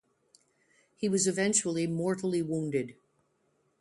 He was eventually mortally wounded.